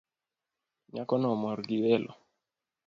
Nyako no omor gi welo